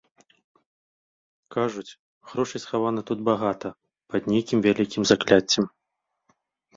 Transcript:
Кажуць, грошай схавана тут багата пад нейкім вялікім закляццем.